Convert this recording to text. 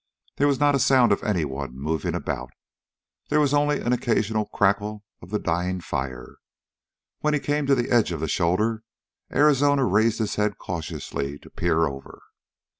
There was not a sound of anyone moving about. There was only an occasional crackle of the dying fire. When he came to the edge of the shoulder, Arizona raised his head cautiously to peer over.